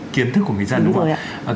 kiến thức của người dân đúng không